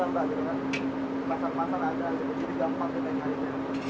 mbak masak masak ada jadi gampang kita nyari